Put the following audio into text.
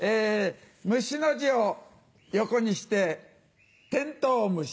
「虫」の字を横にしてテントウ虫。